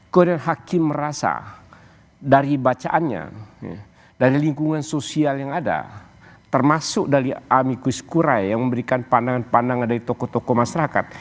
kemudian hakim merasa dari bacaannya dari lingkungan sosial yang ada termasuk dari ami kuis kurai yang memberikan pandangan pandangan dari tokoh tokoh masyarakat